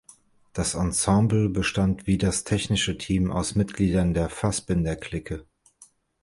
Das Ensemble bestand wie das technische Team aus Mitgliedern der „Fassbinder-Clique“.